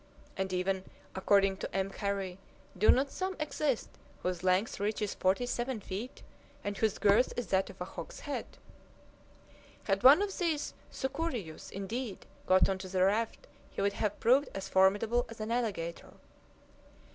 and even, according to M. Carrey, do not some exist whose length reaches forty seven feet, and whose girth is that of a hogshead? Had one of these sucurijus, indeed, got on to the raft he would have proved as formidable as an alligator.